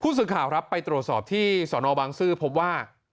สื่อข่าวครับไปตรวจสอบที่สนบางซื่อพบว่า